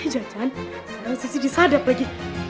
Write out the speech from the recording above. jangan jangan sekarang sisi disadap lagi